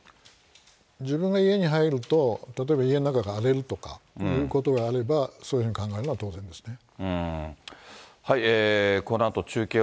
自分が家に入ると、例えば家の中が荒れるとかいうことがあれば、そういうふうに考えるのが当然ですね。